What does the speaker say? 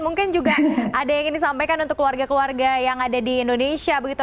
mungkin juga ada yang ingin disampaikan untuk keluarga keluarga yang ada di indonesia begitu